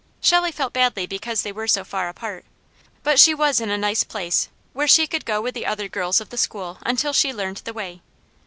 Shelley felt badly because they were so far apart, but she was in a nice place, where she could go with other girls of the school until she learned the way.